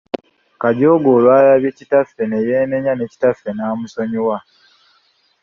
Kajooga olwalabye kitaffe ne yeenenya ne kitaffe n’amusonyiwa.